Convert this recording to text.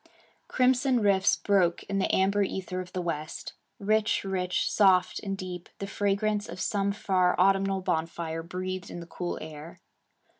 Crimson rifts broke in the amber ether of the west. Rich, rich, soft, and deep, the fragrance of some far autumnal bonfire breathed in the cool air.